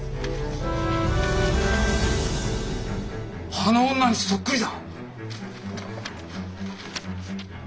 あの女にそっくりだ。